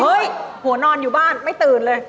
หัวนอนอยู่บ้านไม่ตื่นเลย